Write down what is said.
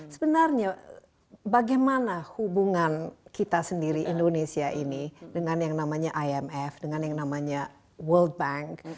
sebenarnya bagaimana hubungan kita sendiri indonesia ini dengan yang namanya imf dengan yang namanya world bank